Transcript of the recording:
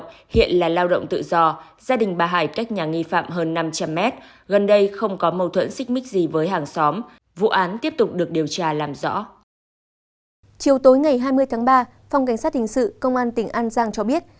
chiều tối ngày hai mươi tháng ba phòng cảnh sát hình sự công an tỉnh an giang cho biết